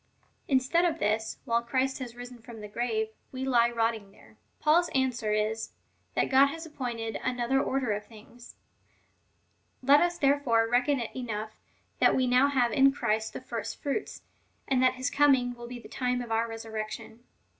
Instead of this, while Christ has risen from the grave, we lie rotting there." Paul's answer is, that God has appointed another order of things. Let us there fore reckon it enough, that we now have in Christ the first fruits,^ and that his coming^ will be the time of our resur rection.